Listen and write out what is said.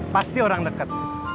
pasti orang deket